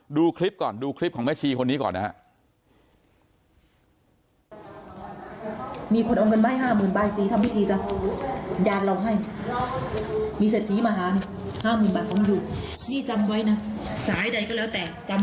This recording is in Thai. ดูคลิปก่อนดูคลิปของแม่ชีคนนี้ก่อนนะครับ